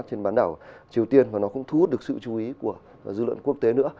trên bán đảo triều tiên và nó cũng thu hút được sự chú ý của dư luận quốc tế nữa